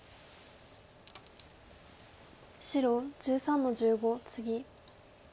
白１３の十五ツギ。